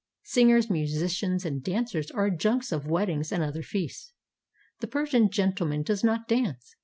Singers, musicians, and dancers are adjuncts of weddings and other feasts. The Persian gentleman does not dance.